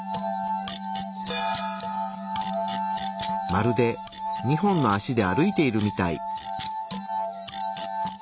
まるで２本の足で歩いているみたい。